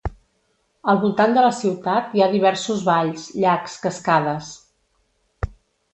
Al voltant de la ciutat hi ha diversos valls, llacs, cascades.